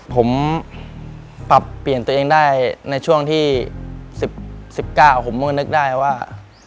ผมปรับเปลี่ยนตัวเองได้ในช่วงที่สิบสิบเก้าผมมึงนึกได้ว่า